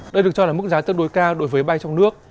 đây được cho là mức giá tương đối cao đối với bay trong nước